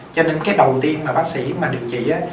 cho nên cái đầu tiên mà bác sĩ mà điều trị